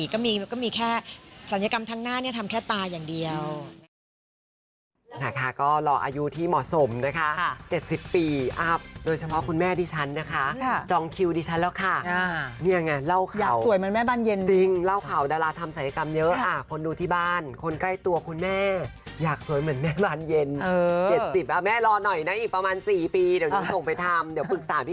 ก็มีแค่ศัลยกรรมทั้งหน้าเนี่ยทำแค่ตาอย่างเดียว